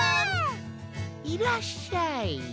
いらっしゃい。